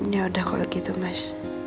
yaudah kalau gitu mas